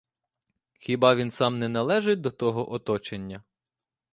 Хіба він сам не належить до того оточення?